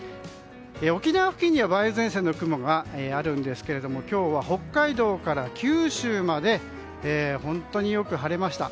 沖縄付近には梅雨前線の雲があるんですが今日は北海道から九州まで本当によく晴れました。